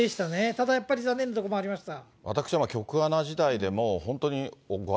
ただやっぱり残念なところもありました。